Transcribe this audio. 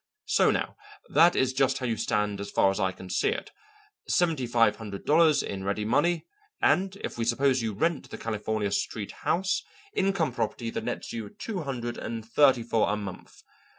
So now, that is just how you stand as far as I can see: seventy five hundred dollars in ready money and, if we suppose you rent the California Street house, income property that nets you two hundred and thirty four a month.